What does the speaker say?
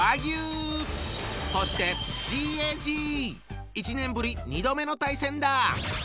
そして１年ぶり２度目の対戦だ！